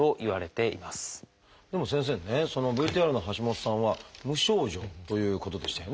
でも先生ねＶＴＲの橋下さんは無症状ということでしたよね。